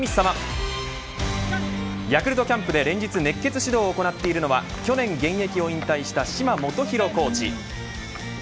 ヤクルトキャンプで連日熱血指導を行っているのは去年現役を引退した嶋基宏コーチ。